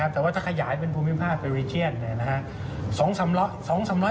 แต่ว่าถ้าขยายเป็นภูมิภาพเปอริเจียนเนี่ยนะฮะ